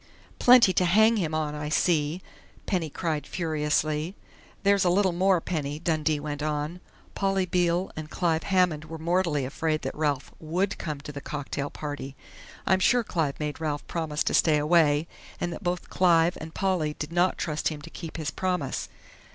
"Plenty to hang him on, I see!" Penny cried furiously. "There's a little more, Penny," Dundee went on. "Polly Beale and Clive Hammond were mortally afraid that Ralph would come to the cocktail party! I'm sure Clive made Ralph promise to stay away, and that both Clive and Polly did not trust him to keep his promise.